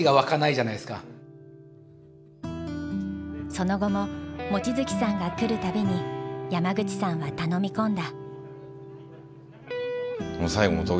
その後も望月さんが来る度に山口さんは頼み込んだ。